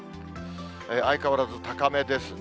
相変わらず高めですね。